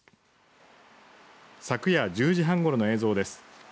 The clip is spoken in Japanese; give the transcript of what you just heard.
昨夜１０時半ごろの映像です。